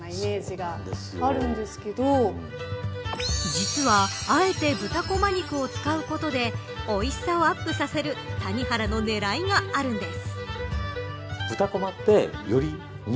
実は、あえて豚こま肉を使うことでおいしさをアップさせる谷原のねらいがあるんです。